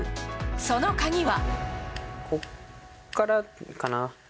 その鍵は。